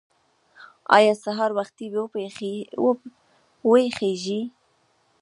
ایا سهار وختي ویښیږئ؟